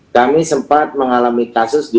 kami sempat mengalami kasus di